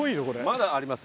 まだあります？